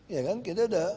ya kan kita sudah